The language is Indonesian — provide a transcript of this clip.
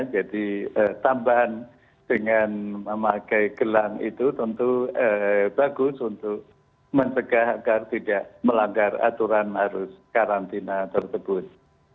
jadi tambahan dengan memakai gelang itu tentu bagus untuk mencegah agar tidak melanggar aturan harus karantina tersebut